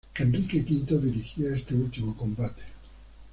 Enrique V dirigía este último combate.